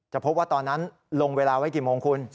พบว่าตอนนั้นลงเวลาไว้กี่โมงคุณ